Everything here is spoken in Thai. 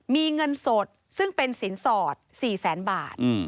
มีเงินสดซึ่งเป็นสินสอด๔แสนบาท